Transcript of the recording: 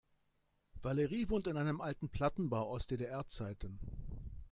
Valerie wohnt in einem alten Plattenbau aus DDR-Zeiten.